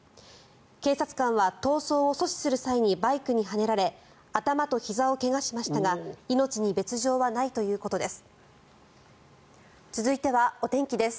警察官は逃走を阻止する際にバイクにはねられ頭とひざを怪我しましたが命に別条はないということです。